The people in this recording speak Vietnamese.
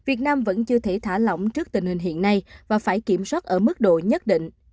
nhiều người nhiễm ncov cũng chưa thể thả lỏng trước tình hình hiện nay và phải kiểm soát ở mức độ nhất định